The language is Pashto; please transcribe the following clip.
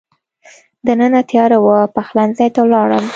دننه تېاره وه، پخلنځي ته ولاړم.